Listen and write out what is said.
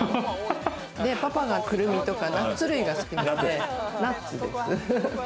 パパがクルミとかナッツ類が好きなのでナッツです。